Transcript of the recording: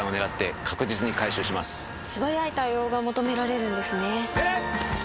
素早い対応が求められるんですね。